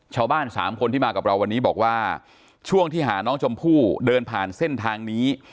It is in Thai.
สามคนที่มากับเราวันนี้บอกว่าช่วงที่หาน้องชมพู่เดินผ่านเส้นทางนี้